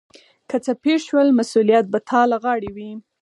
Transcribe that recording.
که څه پیښ شول مسؤلیت به تا له غاړې وي.